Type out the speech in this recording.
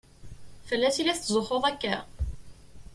Fell-as i la tetzuxxuḍ akka?